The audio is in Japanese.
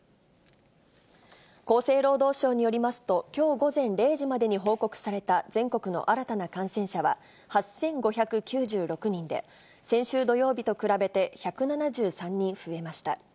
厚生労働省によりますと、きょう午前０時までに報告された全国の新たな感染者は８５９６人で、先週土曜日と比べて１７３人増えました。